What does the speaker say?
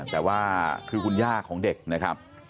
แต่ว่าคือขุนย่าของเด็ก